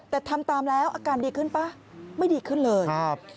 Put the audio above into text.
แต่ทำตามแล้วอาการดีขึ้นป่ะไม่ดีขึ้นเลย